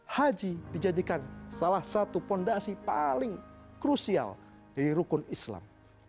haji dijadikan salah satu fondasi paling krusial di rukun islam